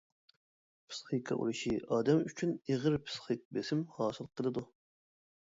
پىسخىكا ئورۇشى ئادەم ئۈچۈن ئېغىر پىسخىك بېسىم ھاسىل قىلىدۇ.